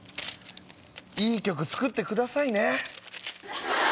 いい曲作ってくださいね。